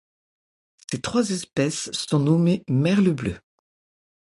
Ses trois espèces sont nommées merlebleu.